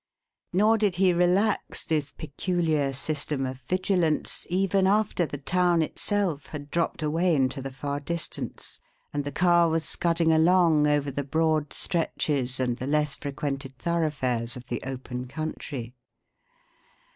Nor did he relax this peculiar system of vigilance even after the town itself had dropped away into the far distance, and the car was scudding along over the broad stretches and the less frequented thoroughfares of the open country.